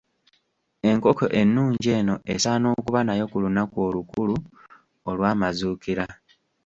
Enkoko ennungi eno esaana okuba nayo ku lunaku olukulu olw'Amazuukira!